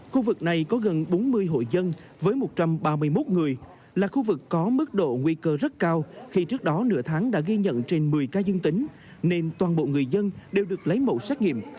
khu vực này có gần bốn mươi hội dân với một trăm ba mươi một người là khu vực có mức độ nguy cơ rất cao khi trước đó nửa tháng đã ghi nhận trên một mươi ca dương tính nên toàn bộ người dân đều được lấy mẫu xét nghiệm